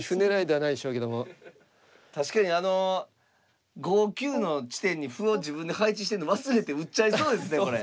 確かにあの５九の地点に歩を自分で配置してるの忘れて打っちゃいそうですねこれ。